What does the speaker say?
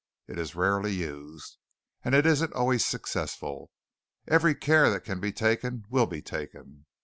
It is rarely used, and it isn't always successful. Every care that can be taken will be taken.